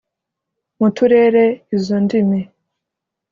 Mu turere izo ndimi